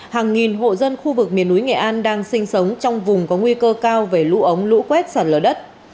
hàng nghìn hộ dân khu vực miền núi nghệ an đang sinh sống trong vùng có nguy cơ cao về lũ ống lũ quét sạt lở đất